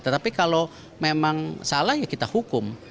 tetapi kalau memang salah ya kita hukum